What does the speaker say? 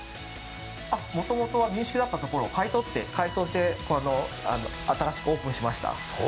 もともと民宿だったところを買い取って、改装して新しくオープンしました。